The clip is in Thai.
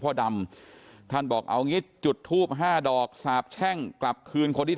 ดำท่านบอกเอางี้จุดทูป๕ดอกสาบแช่งกลับคืนคนที่